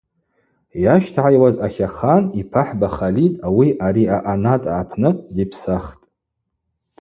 Йащтагӏайуаз атлахан йпахӏба Халид ауи ари аъанатӏа апны дипсахтӏ.